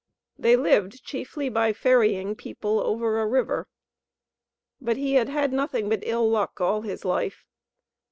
They lived chiefly by ferrying people over a river; but he had had nothing but ill luck all his life.